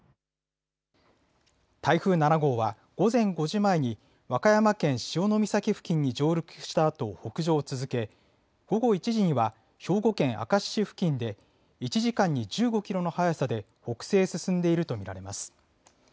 台風７号は午前５時前に、和歌山県潮岬付近に上陸したあと北上を続け、午後１時には兵庫県明石市付近で、１時間に１５キロの速さで北西へ進んでいると見られます。